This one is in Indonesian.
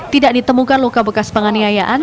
tidak ditemukan luka bekas penganiayaan